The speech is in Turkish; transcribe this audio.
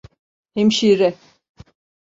Hemşire!